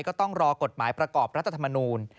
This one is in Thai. ก็ต้องรอกฎหมายประกอบรัฐธรรมนูล